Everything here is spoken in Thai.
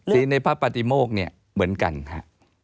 สิ่งในภาพปฏิโมกเหมือนกันค่ะ